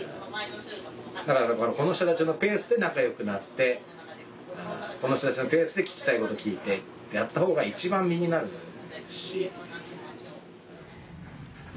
だからこの人たちのペースで仲良くなってこの人たちのペースで聞きたいことを聞いてってやったほうが一番身になるし。